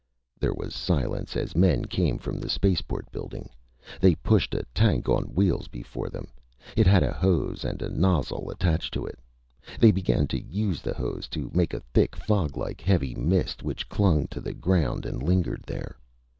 There was silence as men came from the spaceport building. They pushed a tank on wheels before them. It had a hose and a nozzle attached to it. They began to use the hose to make a thick, foglike, heavy mist which clung to the ground and lingered there.